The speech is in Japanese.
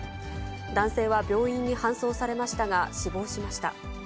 男性は病院に搬送されましたが、死亡しました。